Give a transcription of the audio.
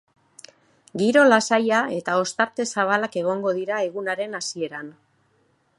Giro lasaia eta ostarte zabalak egongo dira egunaren hasieran.